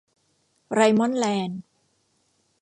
ไรมอน แลนด์